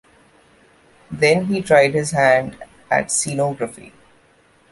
Then he tried his hand at scenography.